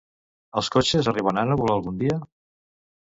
Els cotxes arribaran a volar algun dia?